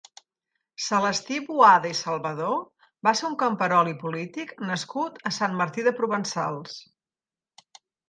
Celestí Boada i Salvador va ser un camperol i polític nascut a Sant Martí de Provençals.